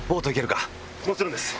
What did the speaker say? もちろんです。